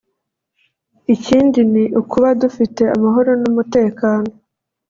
Ikindi ni ukuba dufite amahoro n’umutekano